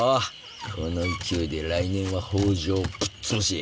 この勢いで来年は北条をぶっ潰し